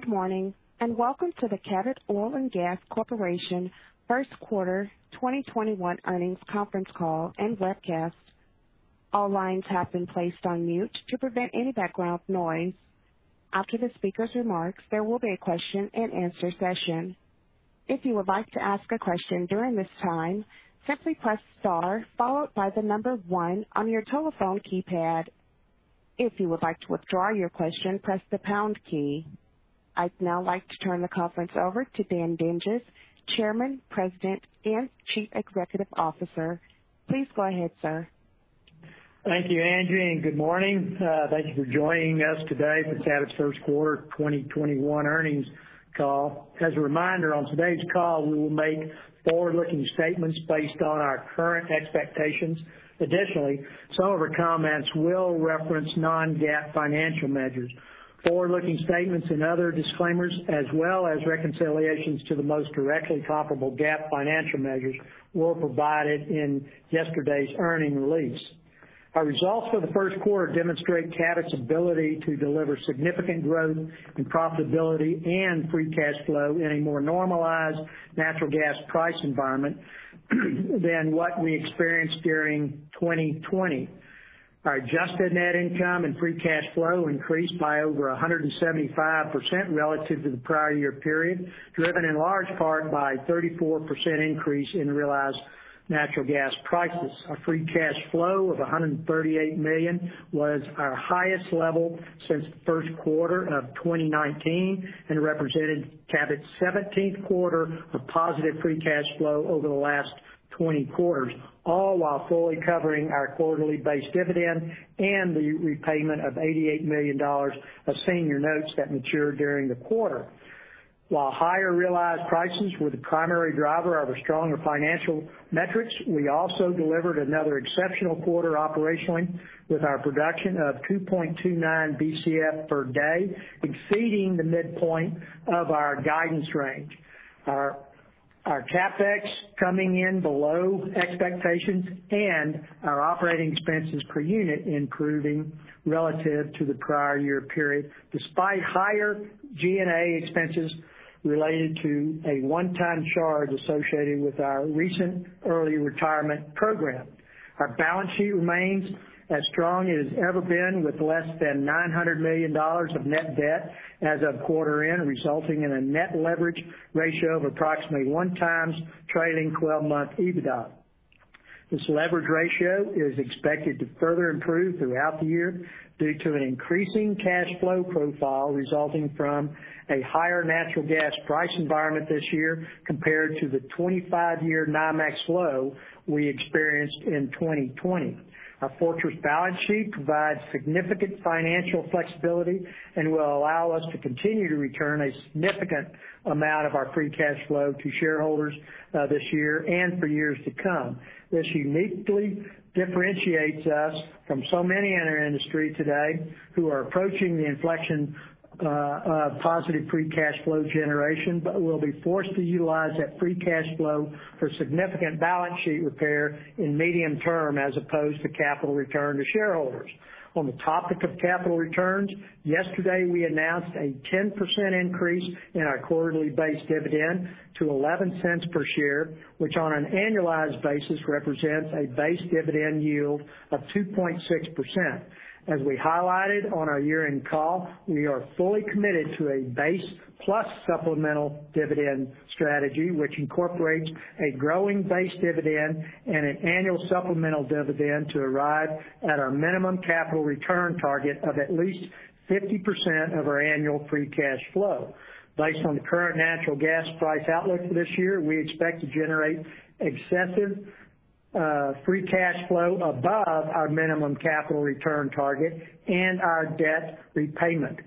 Good morning. Welcome to the Cabot Oil & Gas Corporation First Quarter 2021 Earnings Conference Call and Webcast. All lines have been placed on mute to prevent any background noise. After the speaker's remarks, there will be a question and answer session. If you would like to ask a question during this time, simply press star followed by the number one on your telephone keypad. If you would like to withdraw your question, press the pound key. I'd now like to turn the conference over to Dan Dinges, Chairman, President, and Chief Executive Officer. Please go ahead, sir. Thank you, Angie, good morning. Thank you for joining us today for Cabot's First Quarter 2021 earnings call. As a reminder, on today's call, we will make forward-looking statements based on our current expectations. Additionally, some of our comments will reference non-GAAP financial measures. Forward-looking statements and other disclaimers as well as reconciliations to the most directly comparable GAAP financial measures were provided in yesterday's earnings release. Our results for the first quarter demonstrate Cabot's ability to deliver significant growth, profitability, and free cash flow in a more normalized natural gas price environment than what we experienced during 2020. Our adjusted net income and free cash flow increased by over 175% relative to the prior year period, driven in large part by a 34% increase in realized natural gas prices. Our free cash flow of $138 million was our highest level since the first quarter of 2019 and represented Cabot's 17th quarter of positive free cash flow over the last 20 quarters, all while fully covering our quarterly base dividend and the repayment of $88 million of senior notes that matured during the quarter. While higher realized prices were the primary driver of our stronger financial metrics, we also delivered another exceptional quarter operationally with our production of 2.29 Bcf per day, exceeding the midpoint of our guidance range. Our CapEx coming in below expectations and our operating expenses per unit improving relative to the prior year period, despite higher G&A expenses related to a one-time charge associated with our recent early retirement program. Our balance sheet remains as strong as it has ever been, with less than $900 million of net debt as of quarter end, resulting in a net leverage ratio of approximately one times trailing 12-month EBITDA. This leverage ratio is expected to further improve throughout the year due to an increasing cash flow profile resulting from a higher natural gas price environment this year compared to the 25-year NYMEX low we experienced in 2020. Our fortress balance sheet provides significant financial flexibility and will allow us to continue to return a significant amount of our free cash flow to shareholders this year and for years to come. This uniquely differentiates us from so many in our industry today who are approaching the inflection of positive free cash flow generation, but will be forced to utilize that free cash flow for significant balance sheet repair in medium term as opposed to capital return to shareholders. On the topic of capital returns, yesterday we announced a 10% increase in our quarterly base dividend to $0.11 per share, which on an annualized basis represents a base dividend yield of 2.6%. As we highlighted on our year-end call, we are fully committed to a base plus supplemental dividend strategy, which incorporates a growing base dividend and an annual supplemental dividend to arrive at our minimum capital return target of at least 50% of our annual free cash flow. Based on the current natural gas price outlook for this year, we expect to generate excessive free cash flow above our minimum capital return target and our debt repayment.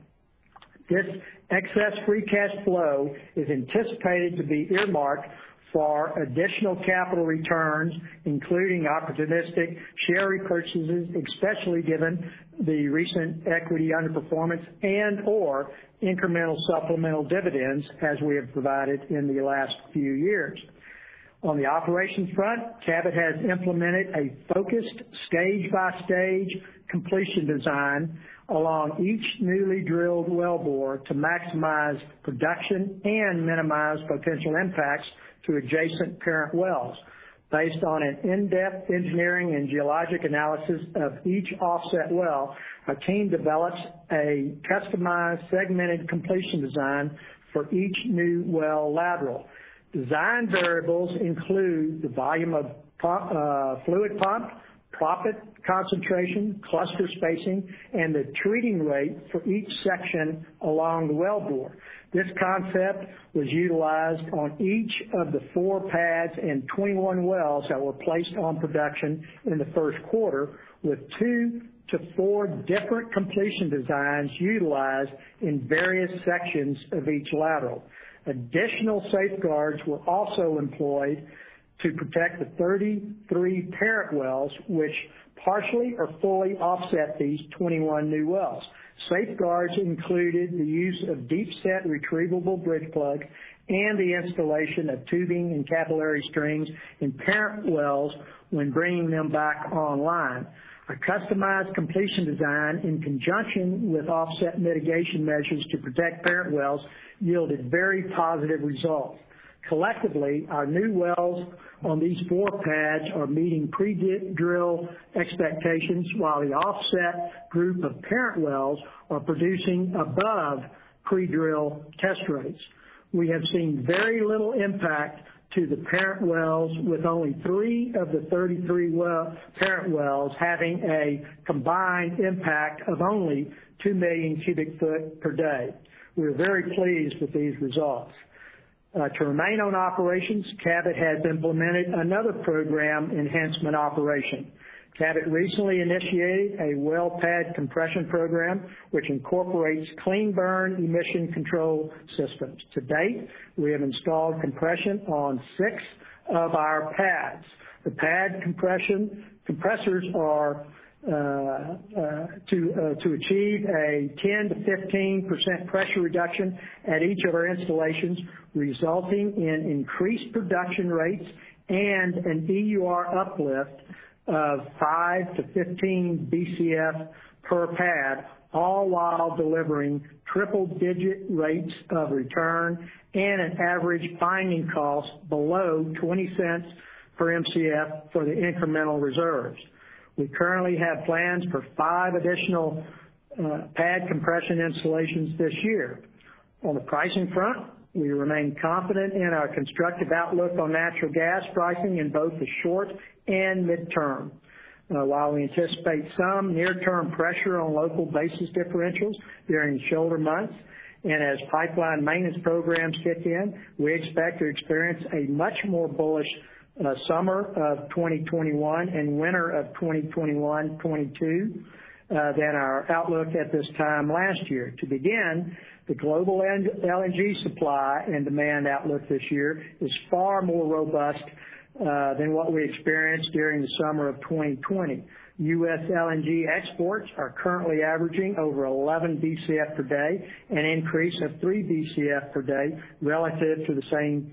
This excess free cash flow is anticipated to be earmarked for additional capital returns, including opportunistic share repurchases, especially given the recent equity underperformance and/or incremental supplemental dividends as we have provided in the last few years. On the operations front, Cabot has implemented a focused stage-by-stage completion design along each newly drilled wellbore to maximize production and minimize potential impacts to adjacent parent wells. Based on an in-depth engineering and geologic analysis of each offset well, our team develops a customized segmented completion design for each new well lateral. Design variables include the volume of fluid pumped, proppant concentration, cluster spacing, and the treating rate for each section along the wellbore. This concept was utilized on each of the four pads and 21 wells that were placed on production in the first quarter, with two to four different completion designs utilized in various sections of each lateral. Additional safeguards were also employed to protect the 33 parent wells, which partially or fully offset these 21 new wells. Safeguards included the use of deep set retrievable bridge plug, and the installation of tubing and capillary strings in parent wells when bringing them back online. A customized completion design, in conjunction with offset mitigation measures to protect parent wells, yielded very positive results. Collectively, our new wells on these four pads are meeting pre-drill expectations, while the offset group of parent wells are producing above pre-drill test rates. We have seen very little impact to the parent wells, with only three of the 33 parent wells having a combined impact of only 2 million cubic feet per day. We're very pleased with these results. To remain on operations, Cabot has implemented another program enhancement operation. Cabot recently initiated a well pad compression program, which incorporates clean burn emission control systems. To date, we have installed compression on six of our pads. The pad compressors are to achieve a 10%-15% pressure reduction at each of our installations, resulting in increased production rates and an EUR uplift of 5 Bcf-15 Bcf per pad, all while delivering triple-digit rates of return and an average finding cost below $0.20 per Mcf for the incremental reserves. We currently have plans for five additional pad compression installations this year. On the pricing front, we remain confident in our constructive outlook on natural gas pricing in both the short and midterm. While we anticipate some near term pressure on local basis differentials during shoulder months, and as pipeline maintenance programs kick in, we expect to experience a much more bullish summer of 2021 and winter of 2021-2022, than our outlook at this time last year. To begin, the global LNG supply and demand outlook this year is far more robust than what we experienced during the summer of 2020. U.S. LNG exports are currently averaging over 11 Bcf per day, an increase of 3 Bcf per day relative to the same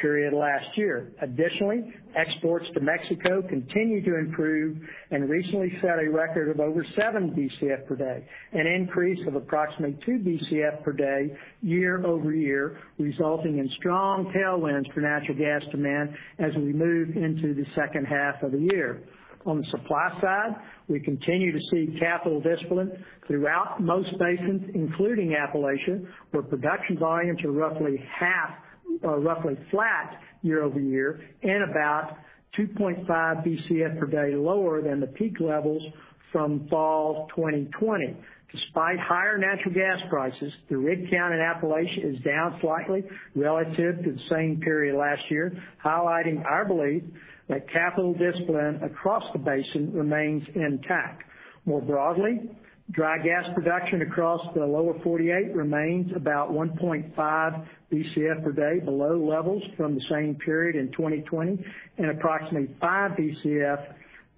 period last year. Additionally, exports to Mexico continue to improve and recently set a record of over 7 Bcf per day, an increase of approximately 2 Bcf per day year-over-year, resulting in strong tailwinds for natural gas demand as we move into the second half of the year. On the supply side, we continue to see capital discipline throughout most basins, including Appalachia, where production volumes are roughly flat year-over-year and about 2.5 Bcf per day lower than the peak levels from fall 2020. Despite higher natural gas prices, the rig count in Appalachia is down slightly relative to the same period last year, highlighting our belief that capital discipline across the basin remains intact. More broadly, dry gas production across the Lower 48 remains about 1.5 Bcf per day below levels from the same period in 2020 and approximately 5 Bcf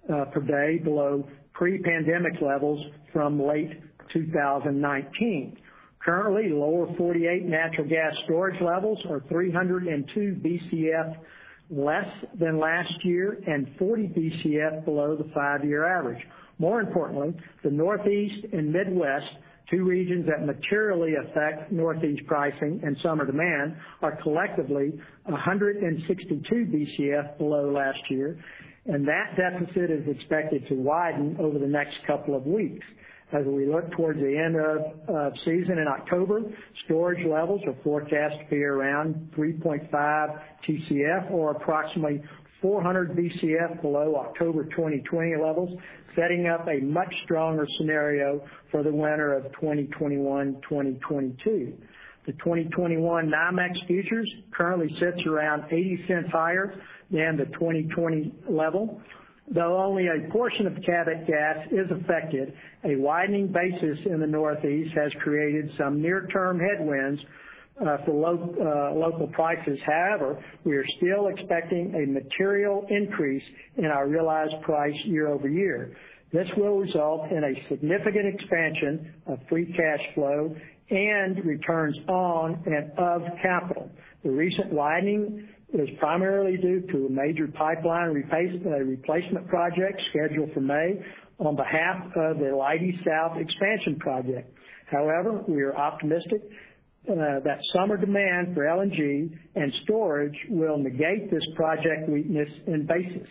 per day below pre-pandemic levels from late 2019. Currently, Lower 48 natural gas storage levels are 302 Bcf less than last year and 40 Bcf below the five-year average. More importantly, the Northeast and Midwest, two regions that materially affect Northeast pricing and summer demand, are collectively 162 Bcf below last year, and that deficit is expected to widen over the next couple of weeks. As we look towards the end of season in October, storage levels are forecast to be around 3.5 Tcf or approximately 400 Bcf below October 2020 levels, setting up a much stronger scenario for the winter of 2021-2022. The 2021 NYMEX futures currently sits around $0.80 higher than the 2020 level. Though only a portion of Cabot is affected, a widening basis in the Northeast has created some near term headwinds for local prices. However, we are still expecting a material increase in our realized price year-over-year. This will result in a significant expansion of free cash flow and returns on and of capital. The recent widening is primarily due to a major pipeline replacement project scheduled for May on behalf of the Leidy South expansion project. However, we are optimistic that summer demand for LNG and storage will negate this project weakness in basis.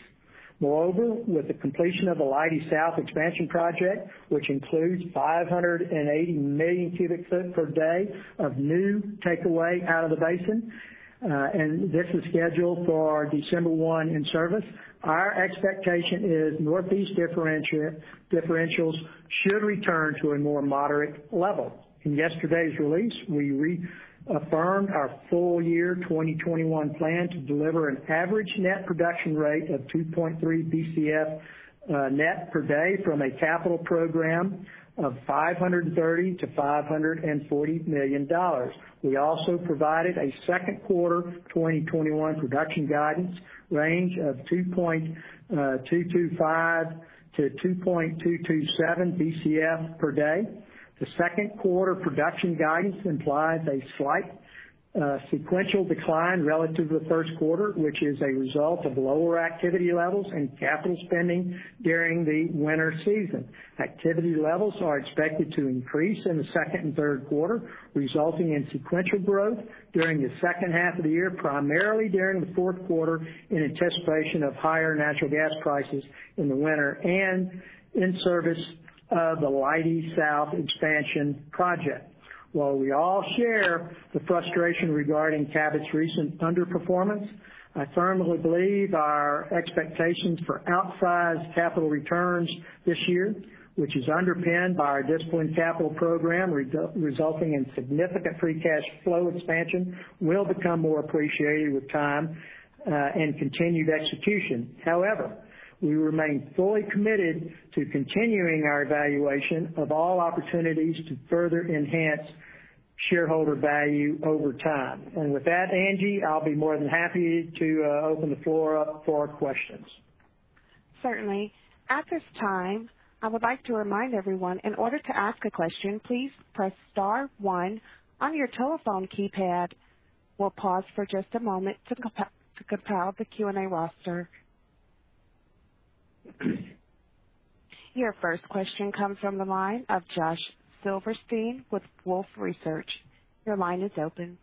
Moreover, with the completion of the Leidy South expansion project, which includes 580 million cubic feet per day of new takeaway out of the basin, and this is scheduled for December 1 in service, our expectation is Northeast differentials should return to a more moderate level. In yesterday's release, we reaffirmed our full year 2021 plan to deliver an average net production rate of 2.3 Bcf net per day from a capital program of $530 million-$540 million. We also provided a second quarter 2021 production guidance range of 2.225 Bcf-2.227 Bcf per day. The second quarter production guidance implies a slight sequential decline relative to the first quarter, which is a result of lower activity levels and capital spending during the winter season. Activity levels are expected to increase in the second and third quarter, resulting in sequential growth during the second half of the year, primarily during the fourth quarter, in anticipation of higher natural gas prices in the winter and in service of the Leidy South expansion project. While we all share the frustration regarding Cabot's recent underperformance, I firmly believe our expectations for outsized capital returns this year, which is underpinned by our disciplined capital program resulting in significant free cash flow expansion, will become more appreciated with time and continued execution. However, we remain fully committed to continuing our evaluation of all opportunities to further enhance shareholder value over time. With that, Angie, I'll be more than happy to open the floor up for questions. Certainly. At this time, I would like to remind everyone, in order to ask a question, please press star one on your telephone keypad. We'll pause for just a moment to compile the Q&A roster. Your first question comes from the line of Joshua Silverstein with Wolfe Research. Your line is open.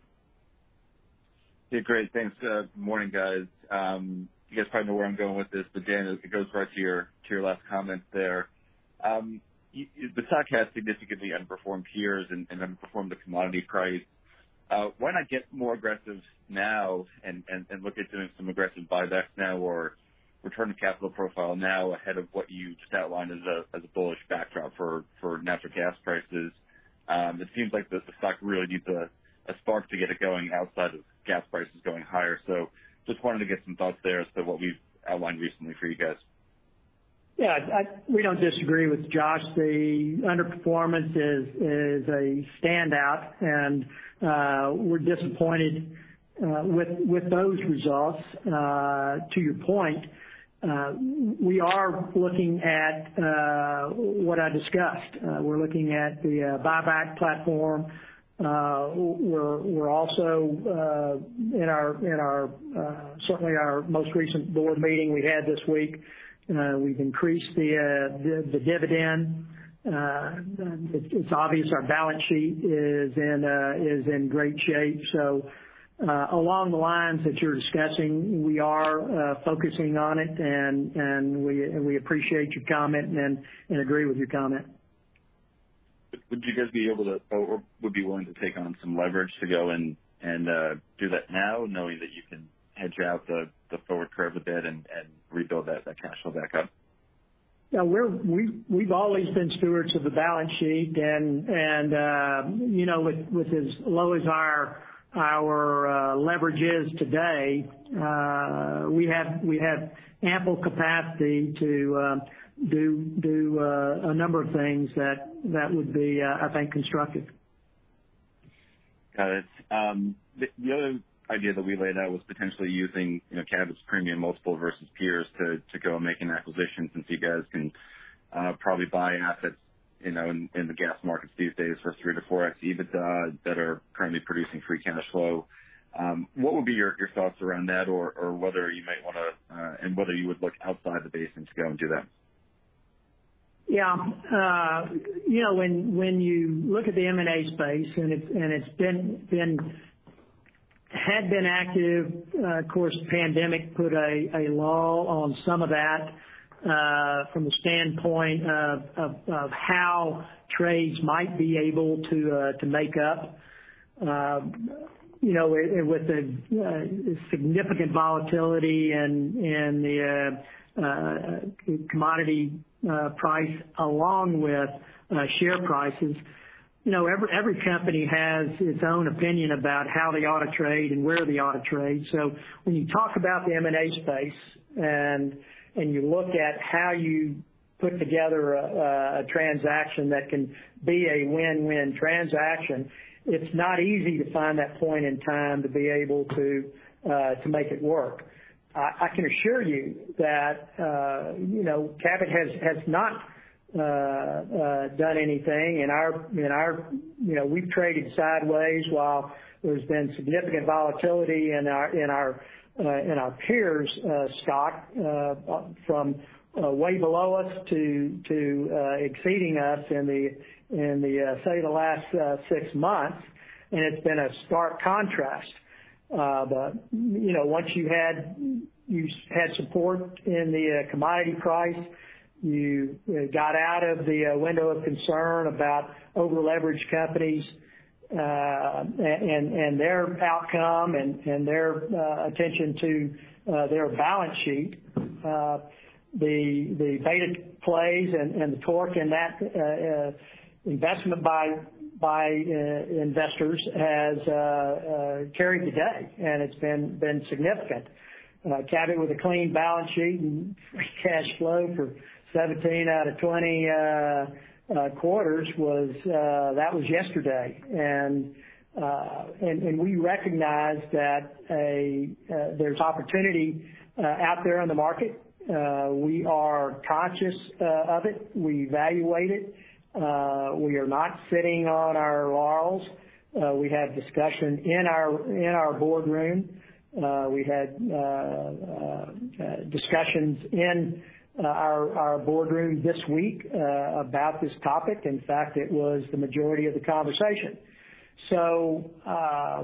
Yeah, great. Thanks. Morning, guys. You guys probably know where I'm going with this, Dan, as it goes right to your last comment there. The stock has significantly underperformed peers and underperformed the commodity price. Why not get more aggressive now and look at doing some aggressive buybacks now or return to capital profile now ahead of what you just outlined as a bullish backdrop for natural gas prices? It seems like the stock really needs a spark to get it going outside of gas prices going higher. Just wanted to get some thoughts there as to what we've outlined recently for you guys. Yeah. We don't disagree with Josh. The underperformance is a standout, and we're disappointed with those results. To your point, we are looking at what I discussed. We're looking at the buyback platform. We're also, in certainly our most recent board meeting we had this week, we've increased the dividend. It's obvious our balance sheet is in great shape. Along the lines that you're discussing, we are focusing on it, and we appreciate your comment and agree with your comment. Would you guys be able to or would be willing to take on some leverage to go and do that now, knowing that you can hedge out the forward curve a bit and rebuild that cash flow back up? Yeah. We've always been stewards of the balance sheet, and with as low as our leverage is today, we have ample capacity to do a number of things that would be, I think, constructive. Got it. The other idea that we laid out was potentially using Cabot's premium multiple versus peers to go and make an acquisition, since you guys can probably buy an asset in the gas markets these days for 3x-4x EBITDA that are currently producing free cash flow. What would be your thoughts around that, and whether you would look outside the basin to go and do that? Yeah. When you look at the M&A space, it had been active. Of course, pandemic put a lull on some of that from the standpoint of how trades might be able to make up with the significant volatility in the commodity price along with share prices. Every company has its own opinion about how they ought to trade and where they ought to trade. When you talk about the M&A space, you look at how you put together a transaction that can be a win-win transaction. It's not easy to find that point in time to be able to make it work. I can assure you that Cabot has not done anything. We've traded sideways while there's been significant volatility in our peers' stock from way below us to exceeding us in the, say, the last six months. It's been a stark contrast. Once you've had support in the commodity price, you got out of the window of concern about over-leveraged companies and their outcome and their attention to their balance sheet. The beta plays and the torque in that investment by investors has carried the day, and it's been significant. Cabot with a clean balance sheet and free cash flow for 17 out of 20 quarters was yesterday. We recognize that there's opportunity out there in the market. We are conscious of it. We evaluate it. We are not sitting on our laurels. We had discussion in our board room. We had discussions in our board room this week about this topic. In fact, it was the majority of the conversation.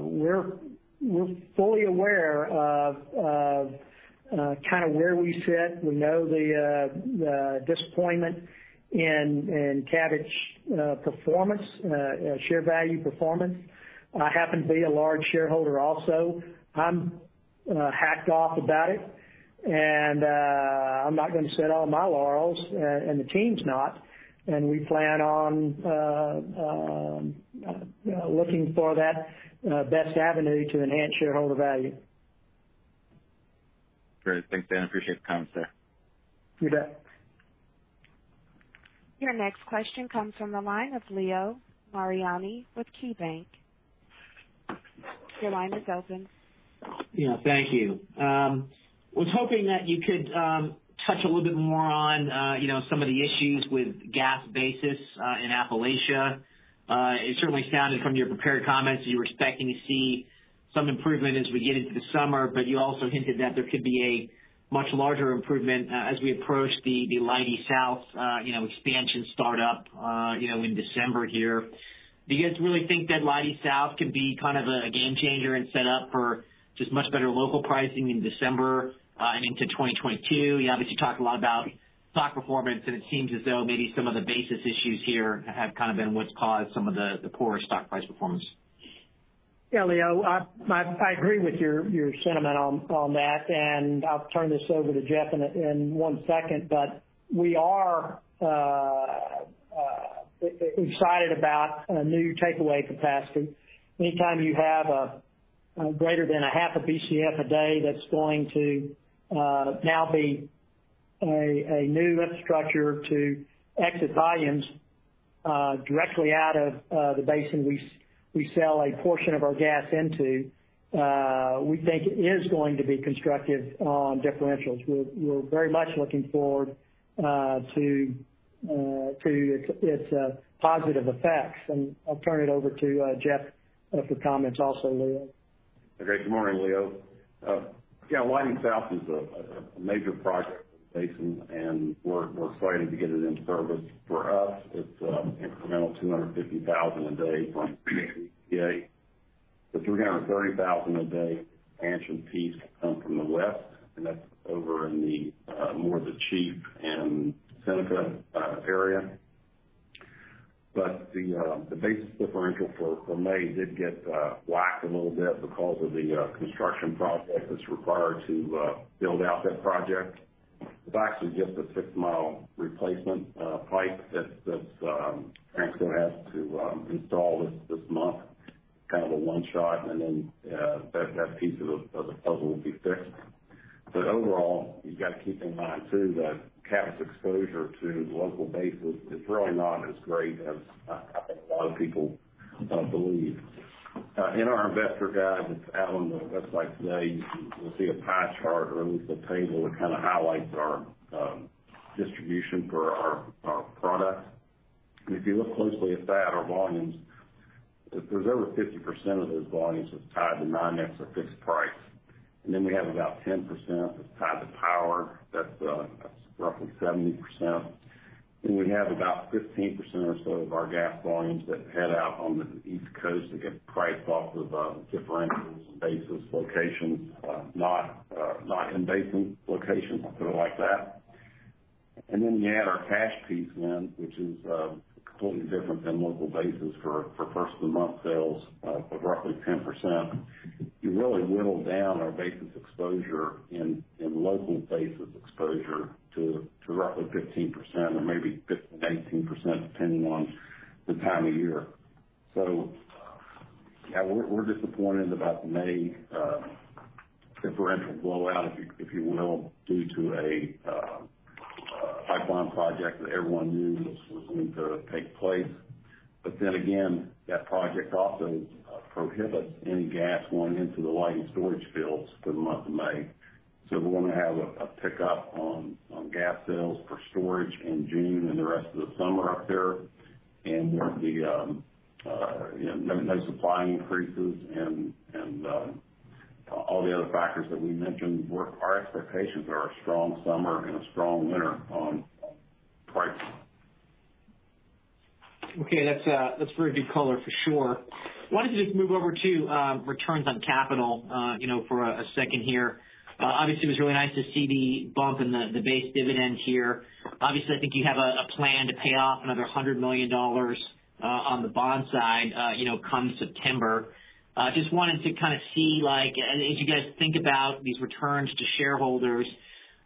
We're fully aware of where we sit. We know the disappointment in Cabot's performance, share value performance. I happen to be a large shareholder also. I'm hacked off about it, and I'm not going to sit on my laurels, and the team's not, and we plan on looking for that best avenue to enhance shareholder value. Great. Thanks, Dan. Appreciate the comments there. You bet. Your next question comes from the line of Leo Mariani with KeyBanc. Your line is open. Yeah, thank you. I was hoping that you could touch a little bit more on some of the issues with gas basis in Appalachia. It certainly sounded from your prepared comments that you're expecting to see some improvement as we get into the summer, but you also hinted that there could be a much larger improvement as we approach the Leidy South expansion start up in December here. Do you guys really think that Leidy South could be kind of a game changer and set up for just much better local pricing in December and into 2022? It seems as though maybe some of the basis issues here have kind of been what's caused some of the poorer stock price performance. Leo, I agree with your sentiment on that, and I'll turn this over to Jeff in one second. We are excited about new takeaway capacity. Anytime you have greater than a half a Bcf a day, that's going to now be a new infrastructure to exit volumes directly out of the basin we sell a portion of our gas into. We think it is going to be constructive on differentials. We're very much looking forward to its positive effects. I'll turn it over to Jeff for comments also, Leo. Great. Good morning, Leo. Yeah, Leidy South is a major project in the basin, and we're excited to get it in service. For us, it's an incremental 250,000 a day out of the in-basin area. The 330,000 a day expansion piece comes from the west, and that's over in the more of the Tioga and Seneca area. The basis differential for May did get whacked a little bit because of the construction project that's required to build out that project. It's actually just a six-mile replacement pipe that Transco has to install this month, kind of a one-shot, and then that piece of the puzzle will be fixed. Overall, you got to keep in mind, too, that Cabot's exposure to local basis is really not as great as I think a lot of people believe. In our investor guide that's out on the website today, you'll see a pie chart or at least a table that kind of highlights our distribution for our products. If you look closely at that, our volumes, there's over 50% of those volumes that's tied to NYMEX or fixed price. Then we have about 10% that's tied to power. That's roughly 70%. Then we have about 15% or so of our gas volumes that head out on the East Coast that get priced off of differentials and basis locations, not in-basin locations like that. Then you add our cash piece in, which is completely different than local basis for first-of-the-month sales of roughly 10%. You really whittle down our basis exposure in local basis exposure to roughly 15% or maybe 15%-18%, depending on the time of year. Yeah. We're disappointed about the May differential blowout, if you will, due to a pipeline project that everyone knew was going to take place. That project also prohibits any gas going into the Leidy storage fields for the month of May. We want to have a pickup on gas sales for storage in June and the rest of the summer up there. With no supply increases and all the other factors that we mentioned, our expectations are a strong summer and a strong winter on pricing. Okay. That's very good color for sure. I wanted to just move over to returns on capital for a second here. Obviously, it was really nice to see the bump in the base dividend here. Obviously, I think you have a plan to pay off another $100 million on the bond side come September. I just wanted to kind of see, as you guys think about these returns to shareholders,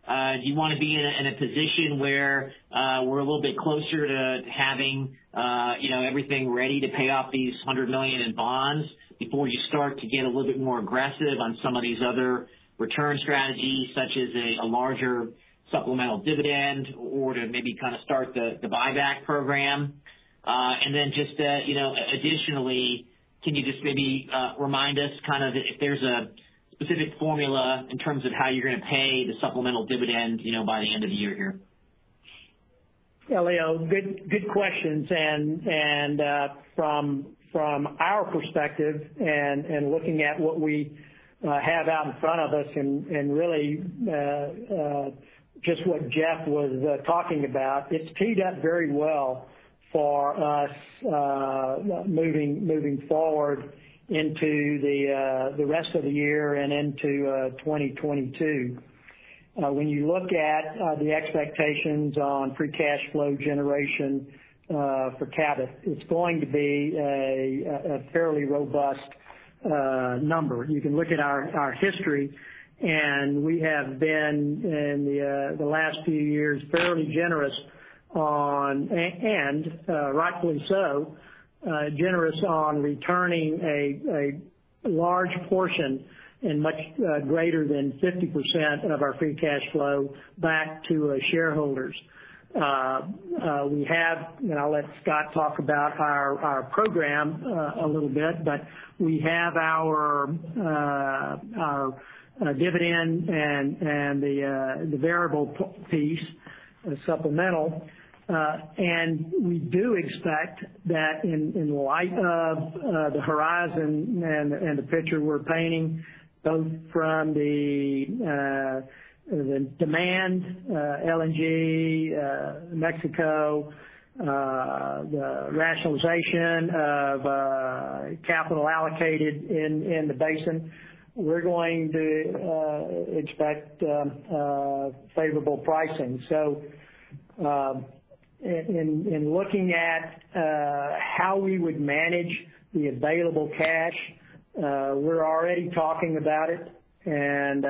do you want to be in a position where we're a little bit closer to having everything ready to pay off these $100 million in bonds before you start to get a little bit more aggressive on some of these other return strategies, such as a larger supplemental dividend, or to maybe kind of start the buyback program? Just additionally, can you just maybe remind us if there's a specific formula in terms of how you're going to pay the supplemental dividend by the end of the year here? Yeah, Leo. Good questions. From our perspective, and looking at what we have out in front of us, and really just what Jeff was talking about, it's teed up very well for us moving forward into the rest of the year and into 2022. When you look at the expectations on free cash flow generation for Cabot, it's going to be a fairly robust number. You can look at our history. We have been, in the last few years, fairly generous on, and rightfully so, returning a large portion and much greater than 50% of our free cash flow back to shareholders. I'll let Scott talk about our program a little bit. We have our dividend and the variable piece, the supplemental. We do expect that in light of the horizon and the picture we're painting, both from the demand, LNG, Mexico, the rationalization of capital allocated in the basin, we're going to expect favorable pricing. In looking at how we would manage the available cash, we're already talking about it. I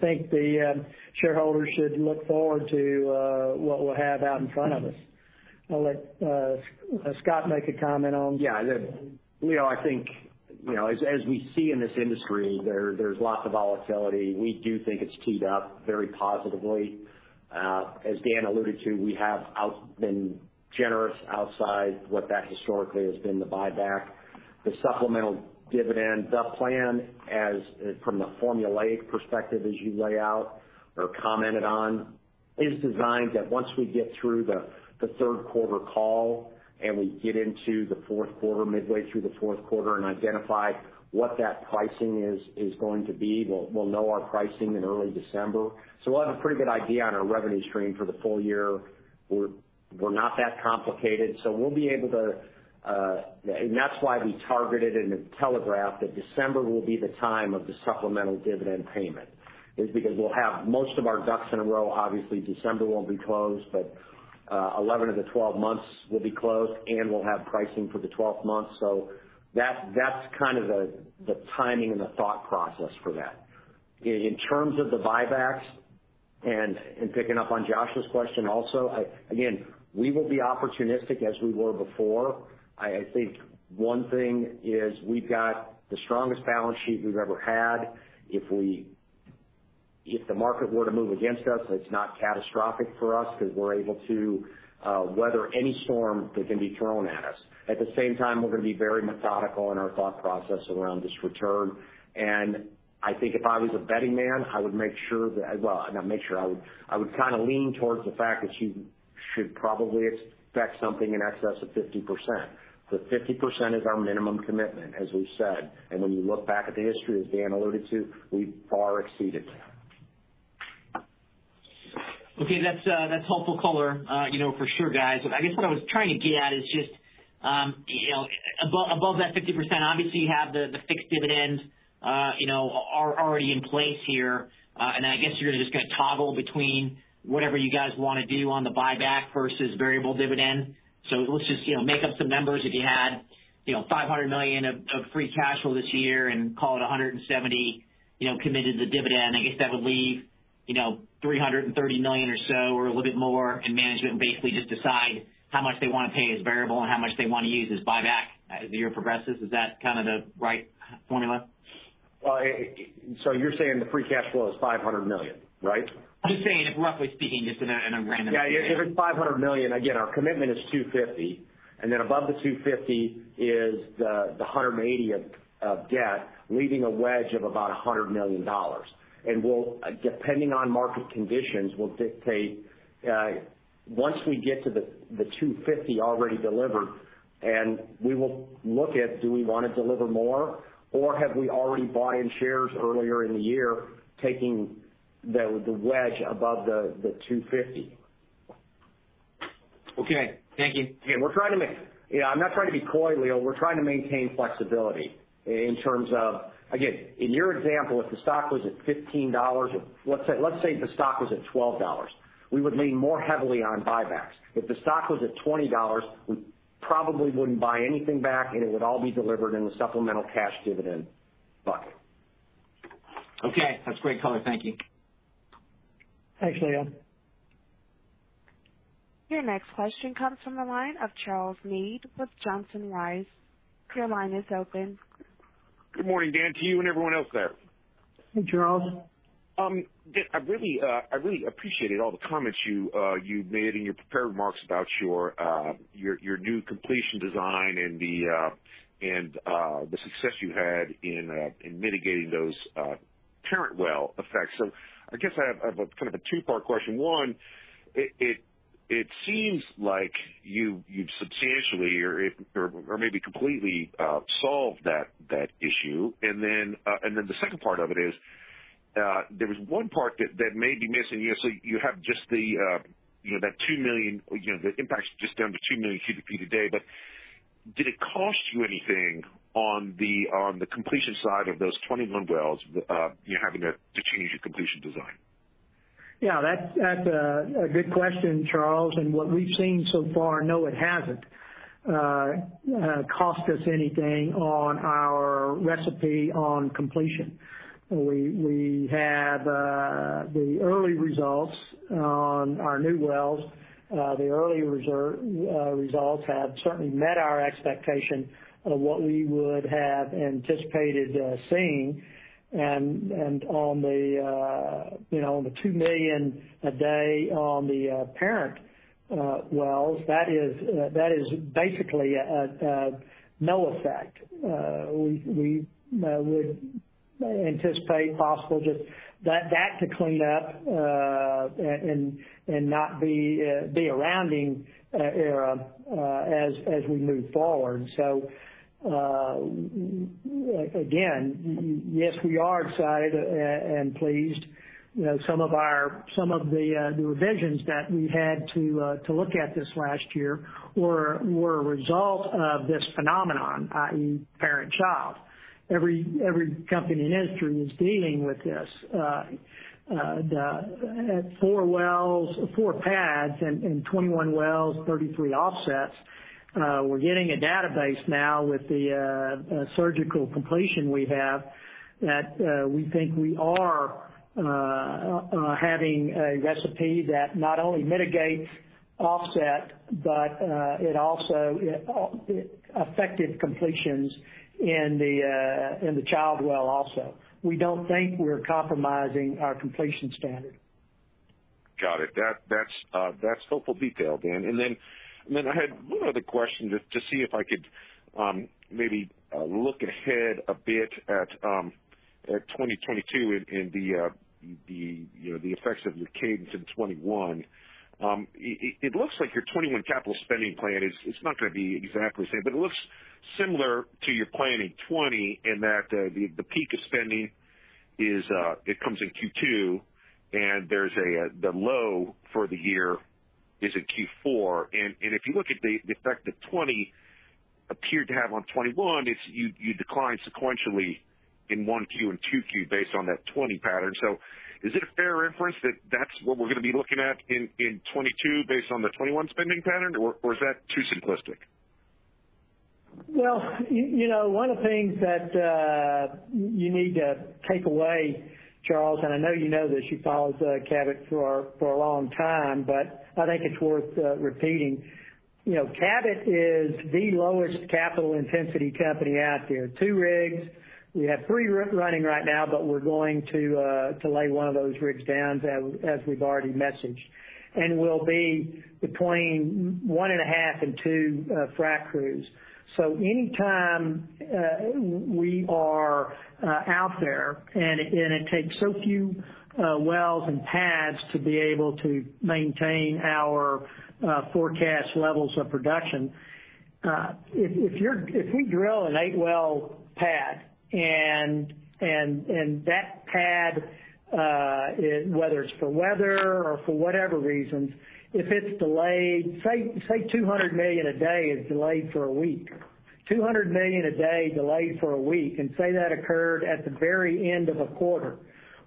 think the shareholders should look forward to what we'll have out in front of us. I'll let Scott make a comment on that. Yeah. Leo, as we see in this industry, there's lots of volatility. We do think it's teed up very positively. As Dan alluded to, we have been generous outside what that historically has been the buyback. The supplemental dividend. The plan from the formulaic perspective as you lay out or commented on, is designed that once we get through the third quarter call and we get into the fourth quarter, midway through the fourth quarter, and identify what that pricing is going to be. We'll know our pricing in early December. We'll have a pretty good idea on our revenue stream for the full year. We're not that complicated. That's why we targeted and telegraphed that December will be the time of the supplemental dividend payment, is because we'll have most of our ducks in a row. Obviously, December won't be closed, but 11 of the 12 months will be closed, and we'll have pricing for the 12th month. That's kind of the timing and the thought process for that. In terms of the buybacks, and picking up on Josh's question also, again, we will be opportunistic as we were before. I think one thing is we've got the strongest balance sheet we've ever had. If the market were to move against us, it's not catastrophic for us because we're able to weather any storm that can be thrown at us. At the same time, we're going to be very methodical in our thought process around this return. I think if I was a betting man, I would make sure that. Well, not make sure. I would kind of lean towards the fact that you should probably expect something in excess of 50%. 50% is our minimum commitment, as we've said. When you look back at the history, as Dan alluded to, we've far exceeded that. Okay. That's helpful color for sure, guys. What I was trying to get at is just above that 50%, obviously, you have the fixed dividend already in place here. I guess you're just going to toggle between whatever you guys want to do on the buyback versus variable dividend. Let's just make up some numbers. If you had $500 million of free cash flow this year and call it $170 committed to the dividend, that would leave $330 million or so or a little bit more, and management basically just decide how much they want to pay as variable and how much they want to use as buyback as the year progresses. Is that kind of the right formula? You're saying the free cash flow is $500 million, right? I'm just saying, roughly speaking, just in a random. Yeah. If it's $500 million, again, our commitment is $250 million, and then above the $250 million is the $180 million of debt, leaving a wedge of about $100 million. Depending on market conditions, once we get to the $250 million already delivered, we will look at do we want to deliver more, or have we already bought in shares earlier in the year, taking the wedge above the $250 million. Okay. Thank you. Again, I'm not trying to be coy, Leo. We're trying to maintain flexibility. Again, in your example, if the stock was at $15, or let's say if the stock was at $12, we would lean more heavily on buybacks. If the stock was at $20, we probably wouldn't buy anything back, and it would all be delivered in the supplemental cash dividend bucket. Okay. That's great color. Thank you. Thanks, Leo. Your next question comes from the line of Charles Meade with Johnson Rice. Your line is open. Good morning, Dan, to you and everyone else there. Hey, Charles. Dan, I really appreciated all the comments you made in your prepared remarks about your new completion design and the success you had in mitigating those parent well effects. I have a two-part question. One, it seems like you've substantially or maybe completely solved that issue. The second part of it is there was one part that may be missing here. You have the impact's just down to 2 million cubic feet a day, but did it cost you anything on the completion side of those 21 wells, you having to change your completion design? Yeah, that's a good question, Charles. What we've seen so far, no, it hasn't cost us anything on our CapEx on completion. The early results on our new wells have certainly met our expectation of what we would have anticipated seeing. On the 2 million a day on the parent wells, that is basically no effect. We would anticipate possibly that to clean up, and not be a rounding error as we move forward. Again, yes, we are excited and pleased. Some of the revisions that we had to look at this last year were a result of this phenomenon, i.e., parent-child. Every company in the industry is dealing with this. At four pads and 21 wells, 33 offsets, we're getting a database now with the surgical completion we have that we think we are having a recipe that not only mitigates offset, but it also affected completions in the child well also. We don't think we're compromising our completion standard. Got it. That's helpful detail, Dan. I had one other question just to see if I could maybe look ahead a bit at 2022 and the effects of your cadence in 2021. It looks like your 2021 capital spending plan is not going to be exactly the same, but it looks similar to your plan in 2020, in that the peak of spending comes in Q2, and the low for the year is in Q4. If you look at the effect that 2020 appeared to have on 2021, you decline sequentially in 1Q and 2Q based on that 2020 pattern. Is it a fair inference that that's what we're going to be looking at in 2022 based on the 2021 spending pattern, or is that too simplistic? Well, one of the things that you need to take away, Charles, and I know you know this, you've followed Cabot for a long time, but I think it's worth repeating. Cabot is the lowest capital intensity company out there. Two rigs. We have three running right now, but we're going to lay one of those rigs down, as we've already messaged. We'll be between one and a half and two frac crews. Any time we are out there, and it takes so few wells and pads to be able to maintain our forecast levels of production. If we drill an eight-well pad, and that pad, whether it's for weather or for whatever reasons, if it's delayed, say 200 million a day is delayed for a week, and say that occurred at the very end of a quarter.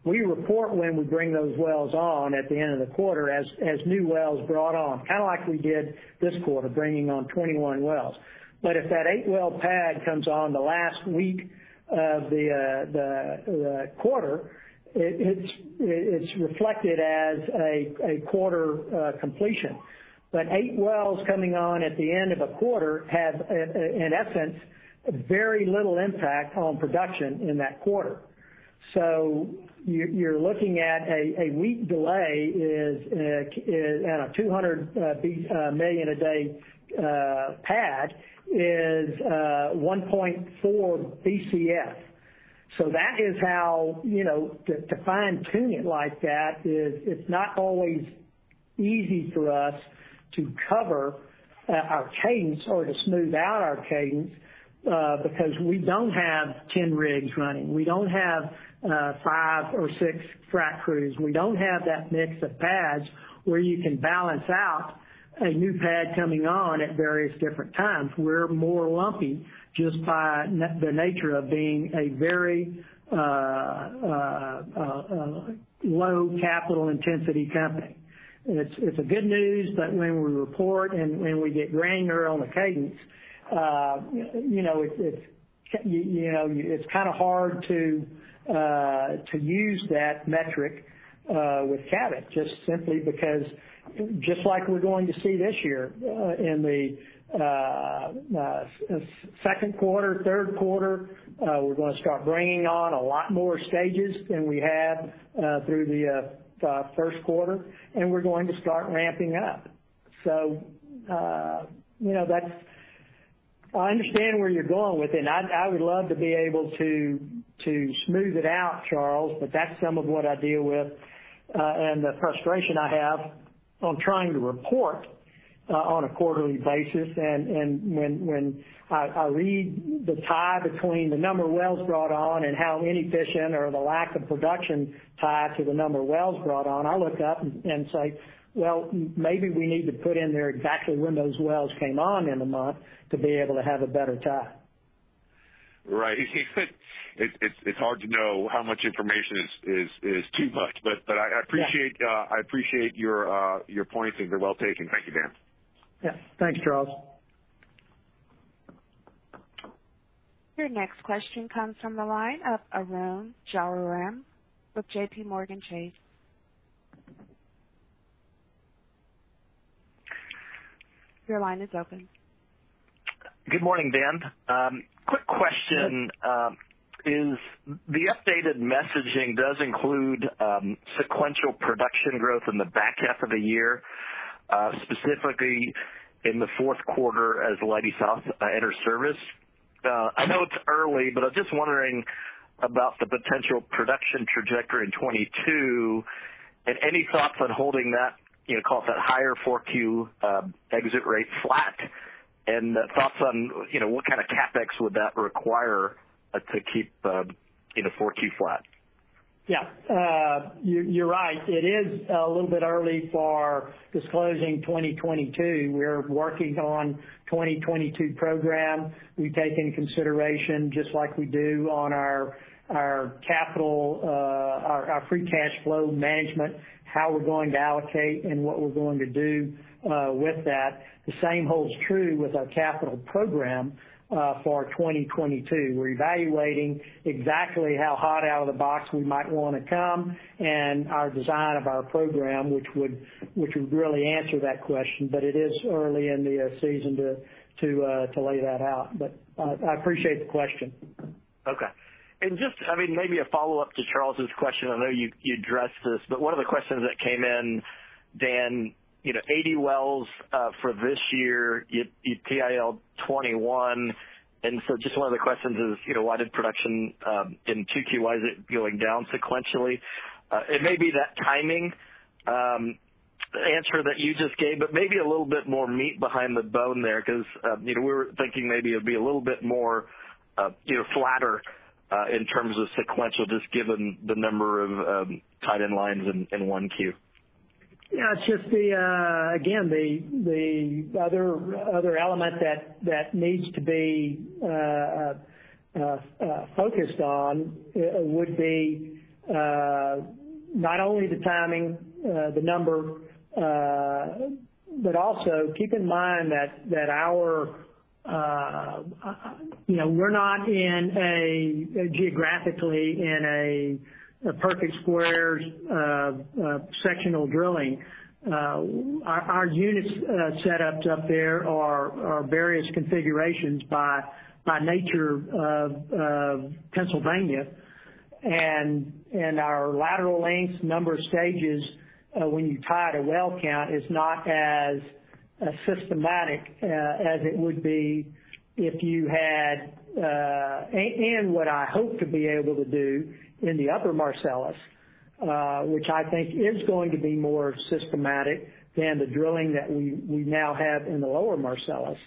We report when we bring those wells on at the end of the quarter as new wells brought on, kind of like we did this quarter, bringing on 21 wells. If that eight-well pad comes on the last week of the quarter, it's reflected as a quarter completion, but eight wells coming on at the end of a quarter have, in essence, very little impact on production in that quarter. You're looking at a week delay on a 200 million a day pad is 1.4 BCF. To fine-tune it like that, it's not always easy for us to cover our cadence or to smooth out our cadence because we don't have 10 rigs running. We don't have five or six frac crews. We don't have that mix of pads where you can balance out a new pad coming on at various different times. We're more lumpy just by the nature of being a very low capital intensity company. It's a good news that when we report and when we get granular on the cadence, it's kind of hard to use that metric with Cabot, just simply because just like we're going to see this year in the second quarter, third quarter, we're going to start bringing on a lot more stages than we had through the first quarter, and we're going to start ramping up. I understand where you're going with it, and I would love to be able to smooth it out, Charles, but that's some of what I deal with and the frustration I have on trying to report on a quarterly basis. When I read the tie between the number of wells brought on and how inefficient or the lack of production tied to the number of wells brought on, I look up and say, "Well, maybe we need to put in there exactly when those wells came on in the month to be able to have a better tie. Right. It's hard to know how much information is too much. Yeah. I appreciate your points, and they're well taken. Thank you, Dan. Yeah. Thanks, Charles. Your next question comes from the line of Arun Jayaram with JPMorgan Chase. Your line is open. Good morning, Dan. Quick question. Is the updated messaging does include sequential production growth in the back half of the year, specifically in the fourth quarter as Leidy South enter service? I know it's early, but I'm just wondering about the potential production trajectory in 2022, and any thoughts on holding that higher 4Q exit rate flat, and thoughts on what kind of CapEx would that require to keep the 4Q flat? Yeah. You're right. It is a little bit early for disclosing 2022. We're working on 2022 program. We take into consideration just like we do on our free cash flow management, how we're going to allocate and what we're going to do with that. The same holds true with our capital program for 2022. We're evaluating exactly how hot out of the box we might want to come and our design of our program, which would really answer that question, but it is early in the season to lay that out. I appreciate the question. Okay. Just maybe a follow-up to Charles's question. I know you addressed this, but one of the questions that came in, Dan, 80 wells for this year, you TIL 21. Just one of the questions is, why did production in 2Q, why is it going down sequentially? It may be that timing answer that you just gave, but maybe a little bit more meat behind the bone there because we were thinking maybe it'll be a little bit more flatter in terms of sequential, just given the number of tied-in lines in 1Q. Yeah, it's just again, the other element that needs to be focused on would be not only the timing, the number, but also keep in mind that we're not geographically in a perfect square sectional drilling. Our units set up there are various configurations by nature of Pennsylvania, and our lateral lengths, number of stages when you tie to well count is not as systematic as it would be. What I hope to be able to do in the upper Marcellus, which I think is going to be more systematic than the drilling that we now have in the lower Marcellus,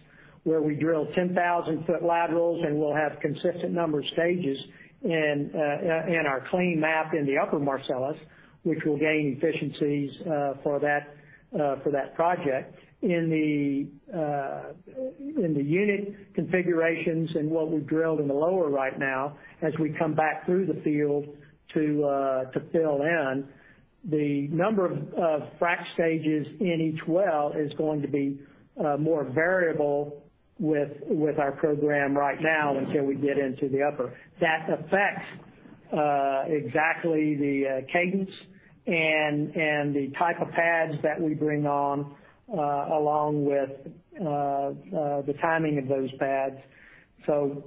where we drill 10,000-foot laterals, and we'll have consistent number of stages, and our clean map in the upper Marcellus, which will gain efficiencies for that project. In the unit configurations and what we've drilled in the lower right now, as we come back through the field to fill in. The number of frac stages in each well is going to be more variable with our program right now until we get into the upper. That affects exactly the cadence and the type of pads that we bring on, along with the timing of those pads. I'm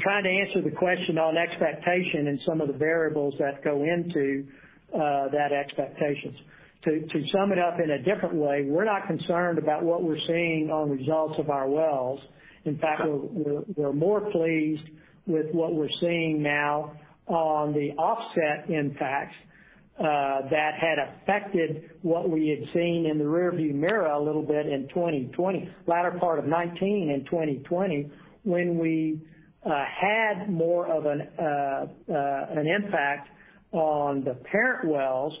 trying to answer the question on expectation and some of the variables that go into that expectations. To sum it up in a different way, we're not concerned about what we're seeing on results of our wells. In fact, we're more pleased with what we're seeing now on the offset impacts that had affected what we had seen in the rearview mirror a little bit in 2020, latter part of 2019 and 2020, when we had more of an impact on the parent wells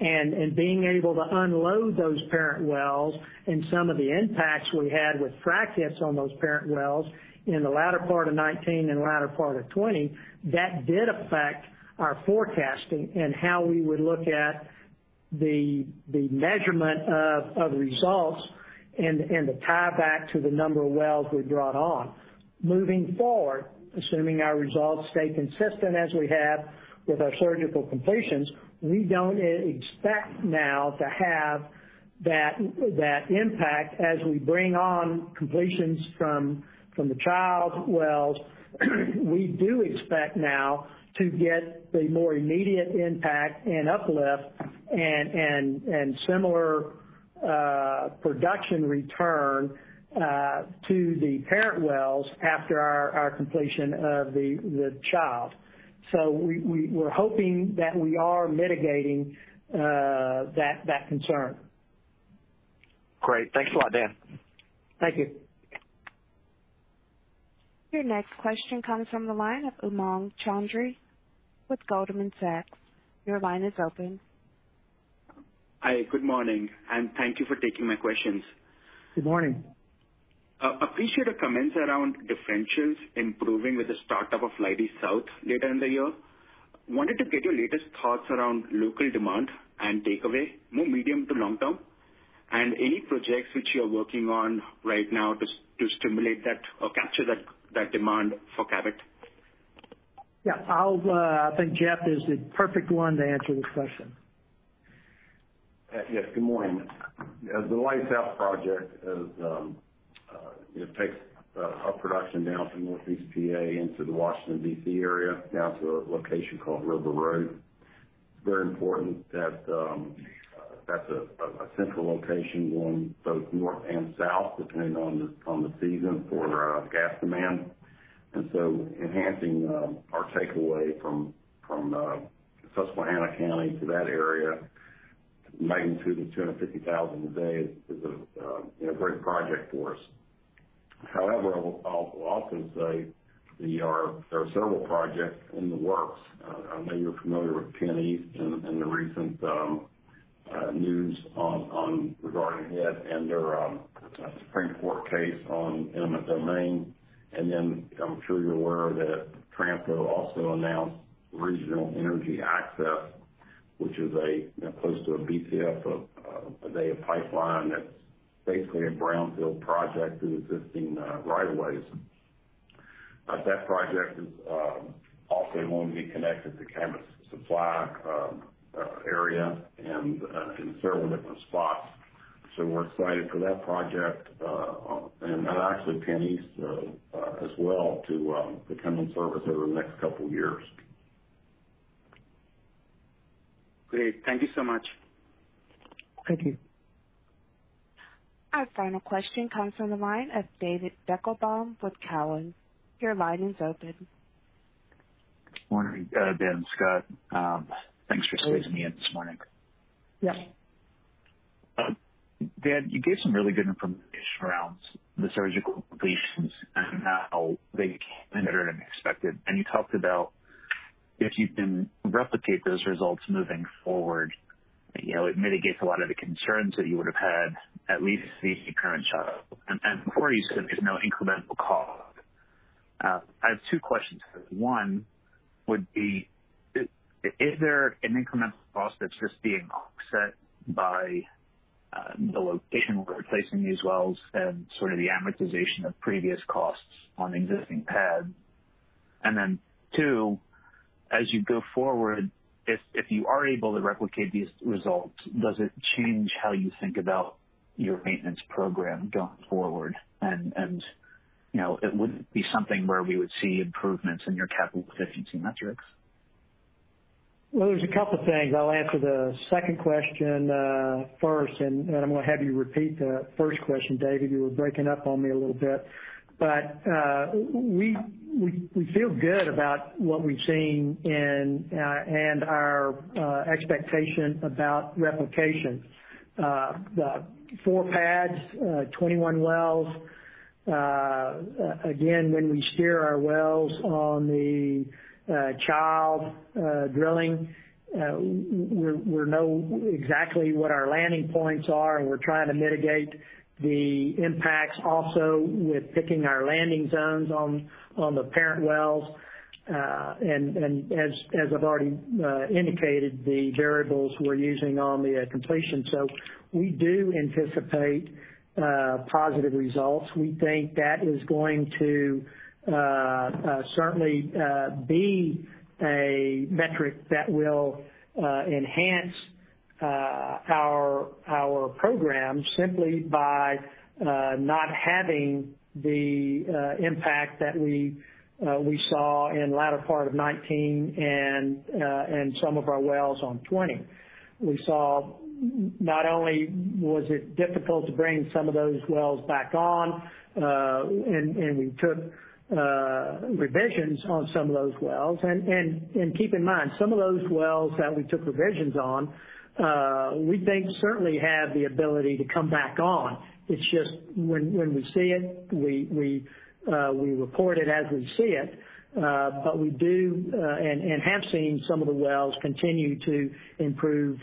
and being able to unload those parent wells and some of the impacts we had with frac hits on those parent wells in the latter part of 2019 and latter part of 2020. That did affect our forecasting and how we would look at the measurement of results and the tieback to the number of wells we brought on. Moving forward, assuming our results stay consistent as we have with our surgical completions, we don't expect now to have that impact as we bring on completions from the child wells. We do expect now to get the more immediate impact and uplift, and similar production return to the parent wells after our completion of the child. We're hoping that we are mitigating that concern. Great. Thanks a lot, Dan. Thank you. Your next question comes from the line of Umang Choudhary with Goldman Sachs. Your line is open. Hi, good morning, and thank you for taking my questions. Good morning. Appreciate the comments around differentials improving with the startup of Leidy South later in the year. Wanted to get your latest thoughts around local demand and takeaway, more medium to long term, and any projects which you're working on right now to stimulate that or capture that demand for Cabot. Yeah. I think Jeff is the perfect one to answer this question. Yes, good morning. The Leidy South Project, it takes our production down from Northeast P.A. into the Washington, D.C. area, down to a location called River Road. It's very important that that's a central location going both north and south, depending on the season for gas demand. Enhancing our takeaway from Susquehanna County to that area, magnitude of 250,000 a day is a great project for us. However, I'll also say there are several projects in the works. I know you're familiar with PennEast and the recent news regarding it and their Supreme Court case on eminent domain. I'm sure you're aware that Transco also announced Regional Energy Access, which is close to 1 Bcf a day of pipeline that's basically a brownfield project through existing right of ways. That project is also going to be connected to Cabot's supply area in several different spots. We're excited for that project, and actually PennEast as well to come in service over the next couple of years. Great. Thank you so much. Thank you. Our final question comes from the line of David Deckelbaum with Cowen. Your line is open. Morning, Dan, Scott. Thanks for squeezing me in this morning. Yeah. Dan, you gave some really good information around the surgical completions and how they came in better than expected, and you talked about if you can replicate those results moving forward, it mitigates a lot of the concerns that you would have had, at least the current shot. Before you said there's no incremental cost. I have two questions. One would be, is there an incremental cost that's just being offset by the location we're replacing these wells and sort of the amortization of previous costs on existing pads? Two, as you go forward, if you are able to replicate these results, does it change how you think about your maintenance program going forward? It would be something where we would see improvements in your capital efficiency metrics? There's a couple of things. I'll answer the second question first, and then I'm going to have you repeat the first question, David. You were breaking up on me a little bit. We feel good about what we've seen and our expectation about replication. The four pads, 21 wells. Again, when we steer our wells on the child drilling, we know exactly what our landing points are, and we're trying to mitigate the impacts also with picking our landing zones on the parent wells. As I've already indicated, the variables we're using on the completion. We do anticipate positive results. We think that is going to certainly be a metric that will enhance our program simply by not having the impact that we saw in the latter part of 2019 and some of our wells on 2020. We saw not only was it difficult to bring some of those wells back on, we took revisions on some of those wells. Keep in mind, some of those wells that we took revisions on, we think certainly have the ability to come back on. It's just when we see it, we report it as we see it. We do, and have seen some of the wells continue to improve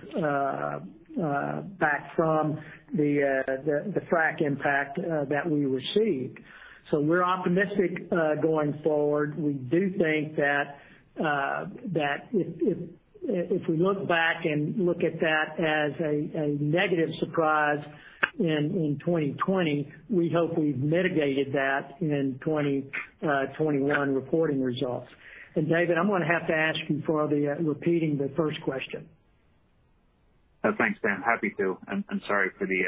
back from the frack impact that we received. We're optimistic going forward. We do think that if we look back and look at that as a negative surprise in 2020, we hope we've mitigated that in 2021 reporting results. David, I'm going to have to ask you for repeating the first question. Thanks, Dan. Happy to. I'm sorry for the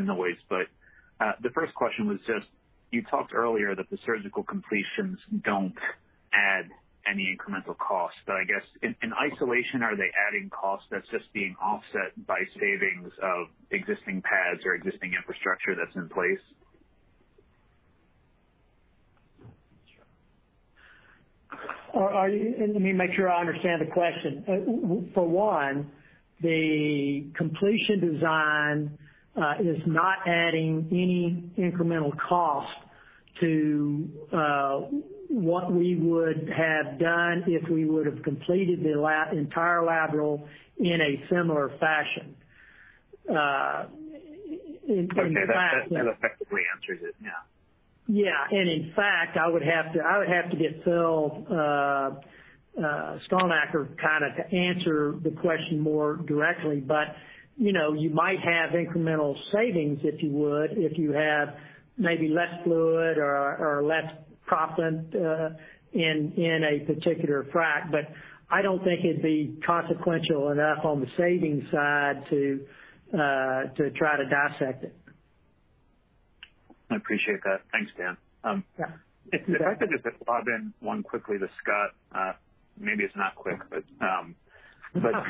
noise. The first question was just, you talked earlier that the surgical completions don't add any incremental cost. In isolation, are they adding cost that's just being offset by savings of existing pads or existing infrastructure that's in place? Let me make sure I understand the question. For one, the completion design is not adding any incremental cost to what we would have done if we would have completed the entire lateral in a similar fashion. Okay. That effectively answers it, yeah. Yeah. In fact, I would have to get Phillip Stalnaker to answer the question more directly. You might have incremental savings, if you would, if you have maybe less fluid or less proppant in a particular frack. I don't think it'd be consequential enough on the savings side to try to dissect it. I appreciate that. Thanks, Dan. Yeah. If I could just lob in one quickly to Scott. Maybe it's not quick. Scott,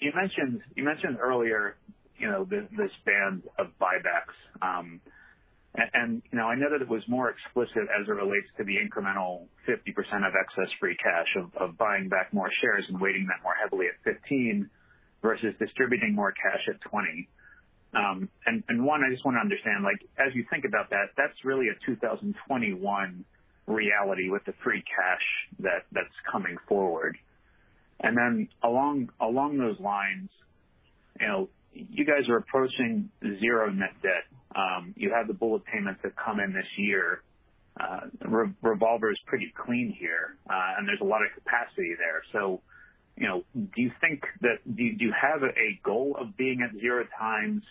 you mentioned earlier the stance of buybacks. I know that it was more explicit as it relates to the incremental 50% of excess free cash of buying back more shares and weighting that more heavily at 15 versus distributing more cash at 20. One, I just want to understand, as you think about that's really a 2021 reality with the free cash that's coming forward. Along those lines, you guys are approaching zero net debt. You have the bullet payments that come in this year. Revolver is pretty clean here. There's a lot of capacity there. Do you have a goal of being at zero times,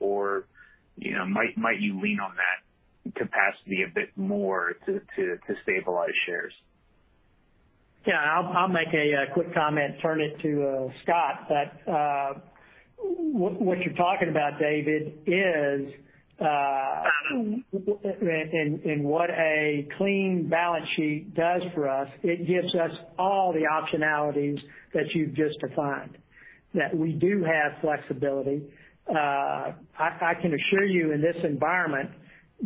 or might you lean on that capacity a bit more to stabilize shares? Yeah, I'll make a quick comment, turn it to Scott. What you're talking about, David, is and what a clean balance sheet does for us, it gives us all the optionalities that you've just defined. That we do have flexibility. I can assure you in this environment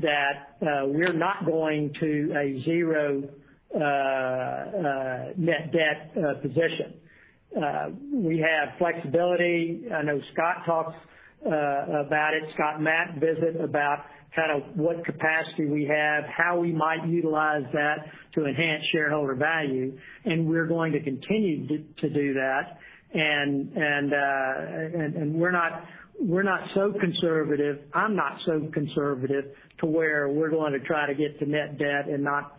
that we're not going to a zero net debt position. We have flexibility. I know Scott talks about it. Scott and Matt visit about what capacity we have, how we might utilize that to enhance shareholder value, and we're going to continue to do that. We're not so conservative. I'm not so conservative to where we're going to try to get to net debt and not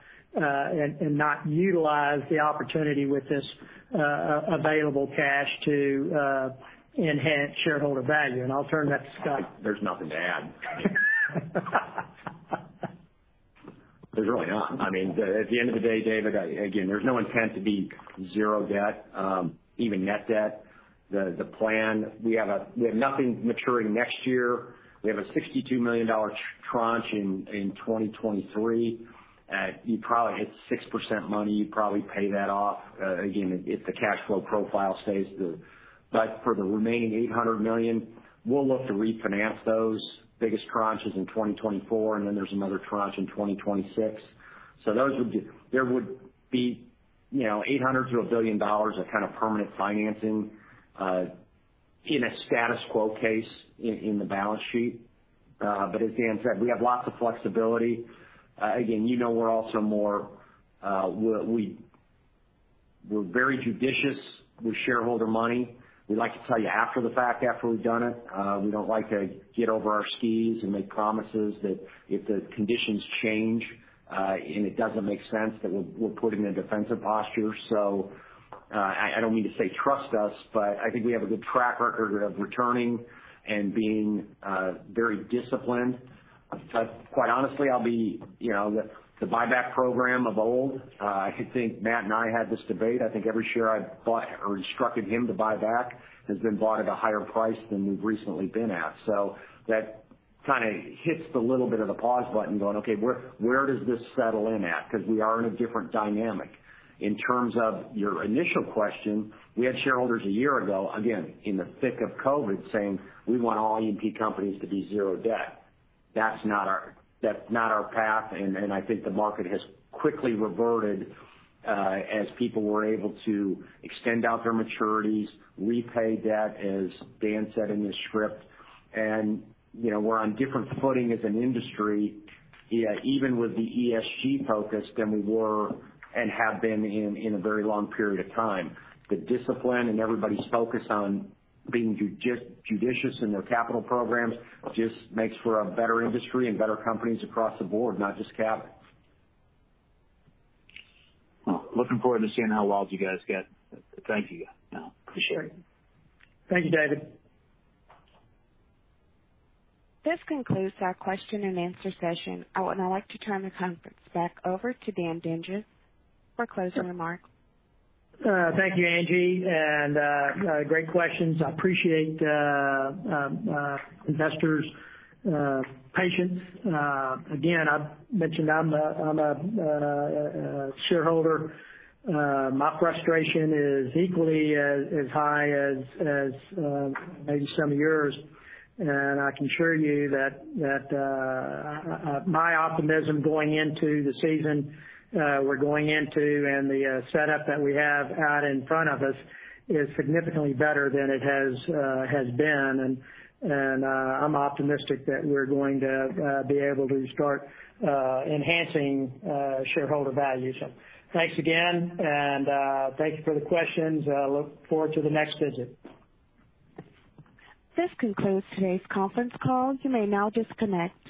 utilize the opportunity with this available cash to enhance shareholder value. I'll turn that to Scott. There's nothing to add. There's really not. At the end of the day, David, again, there's no intent to be zero debt. Even net debt. The plan, we have nothing maturing next year. We have a $62 million tranche in 2023. You probably hit 6% money, you probably pay that off. Again, if the cash flow profile stays. For the remaining $800 million, we'll look to refinance those. Biggest tranche is in 2024, there's another tranche in 2026. There would be $800 to $1 billion of permanent financing, in a status quo case, in the balance sheet. As Dan said, we have lots of flexibility. Again, we're very judicious with shareholder money. We like to tell you after the fact, after we've done it. We don't like to get over our skis and make promises that if the conditions change, and it doesn't make sense that we'll put in a defensive posture. I don't mean to say trust us, but I think we have a good track record of returning and being very disciplined. Quite honestly, the buyback program of old, I think Matt and I had this debate, I think every share I've bought or instructed him to buy back has been bought at a higher price than we've recently been at. That kind of hits the little bit of the pause button going, okay, where does this settle in at? Because we are in a different dynamic. In terms of your initial question, we had shareholders a year ago, again, in the thick of COVID, saying, "We want all E&P companies to be zero debt." That's not our path. I think the market has quickly reverted as people were able to extend out their maturities, repay debt, as Dan said in his script. We're on different footing as an industry, even with the ESG focus than we were and have been in a very long period of time. The discipline and everybody's focus on being judicious in their capital programs just makes for a better industry and better companies across the board, not just capital. Well, looking forward to seeing how wild you guys get. Thank you. Appreciate it. Thank you, David. This concludes our question-and-answer session. I would now like to turn the conference back over to Dan Dinges for closing remarks. Thank you, Angie. Great questions. I appreciate investors' patience. Again, I've mentioned I'm a shareholder. My frustration is equally as high as maybe some of yours. I can assure you that my optimism going into the season we're going into and the setup that we have out in front of us is significantly better than it has been. I'm optimistic that we're going to be able to start enhancing shareholder value. Thanks again, and thank you for the questions. Look forward to the next visit. This concludes today's conference call. You may now disconnect.